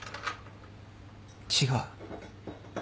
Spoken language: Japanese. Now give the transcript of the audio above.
違う。